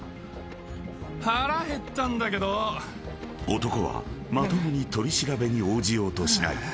［男はまともに取り調べに応じようとしない］